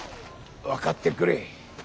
分かってくれ。